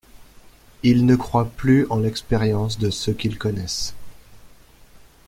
Ils ne croient plus en l’expérience de ceux qu’ils connaissent.